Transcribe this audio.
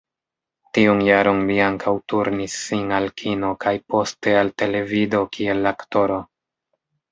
Tiun jaron li ankaŭ turnis sin al kino kaj poste al televido kiel aktoro.